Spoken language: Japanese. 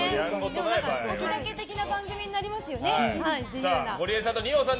先駆け的な番組になりますね自由な。